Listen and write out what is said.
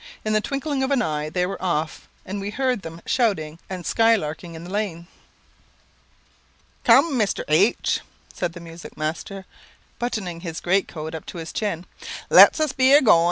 In the twinkling of an eye they were off, and we heard them shouting and sky larking in the lane. "Cum, Mr. H ," said the music master, buttoning his great coat up to his chin, "let us be a goin'."